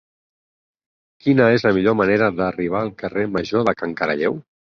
Quina és la millor manera d'arribar al carrer Major de Can Caralleu?